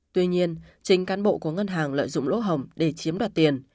tuy nhiên chính cán bộ của ngân hàng lợi dụng lỗ hồng để chiếm đoạt tiền